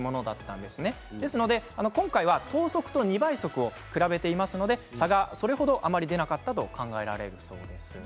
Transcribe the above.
ですから今回は等速と２倍速を比べていますので差がそれ程あまり出なかったと考えられるそうです。